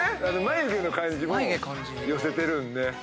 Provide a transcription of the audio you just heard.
あの眉毛の感じも寄せてるんで。